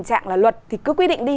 nó dẫn đến là luật thì cứ quy định đi